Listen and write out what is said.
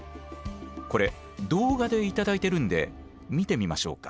これ動画で頂いてるんで見てみましょうか。